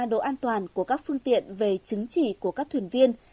độ an toàn của các phương tiện về chứng chỉ của các thuyền viên